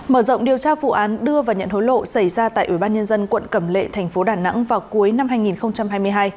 mở rộng điều tra vụ án đưa và nhận hối lộ xảy ra tại ủy ban nhân dân quận cẩm lệ thành phố đà nẵng vào cuối năm hai nghìn hai mươi hai